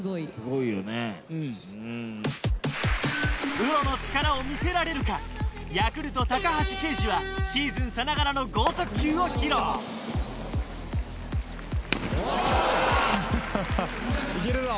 プロの力を見せられるかヤクルト・高橋奎二はシーズンさながらの剛速球を披露ハハハッ。